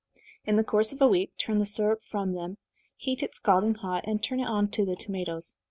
In the course of a week turn the syrup from them, heat it scalding hot, and turn it on to the tomatoes.